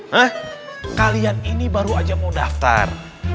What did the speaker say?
nah kalian ini baru aja mau daftar